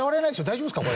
大丈夫ですか？